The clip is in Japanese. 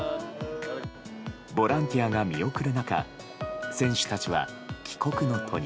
ボランティアが見送る中選手たちは、帰国の途に。